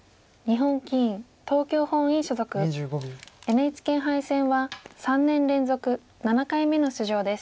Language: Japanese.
ＮＨＫ杯戦は３年連続７回目の出場です。